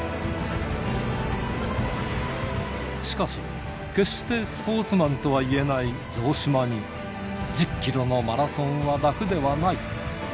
しかし、決してスポーツマンとはいえない城島に、１０キロのマラソンは楽ではない。